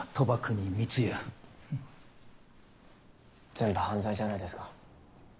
全部犯罪じゃないですか。